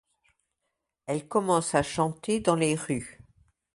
Elle commence à chanter dans les rues.